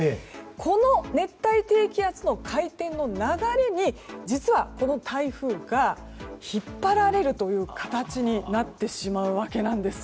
この熱帯低気圧の回転の流れに実は、この台風が引っ張られるという形になってしまうわけです。